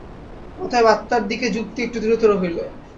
অতএব আত্মার দিকে যুক্তি একটু দৃঢ়তর হইল।